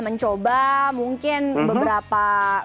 mencoba mungkin beberapa